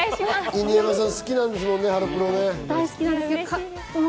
犬山さん好きなんですもんね、ハロプロね。